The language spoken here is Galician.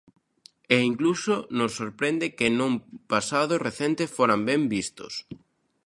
E incluso nos sorprende que nun pasado recente foran ben vistos.